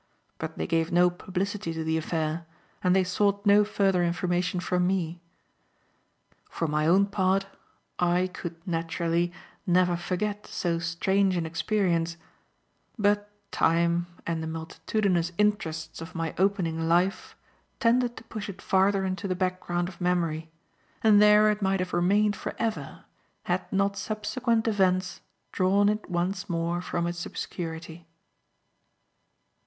But they gave no publicity to the affair and they sought no further information from me. For my own part, I could, naturally, never forget so strange an experience; but time and the multitudinous interests of my opening life tended to push it farther into the background of memory, and there it might have remained for ever had not subsequent events drawn it once more from its obscurity.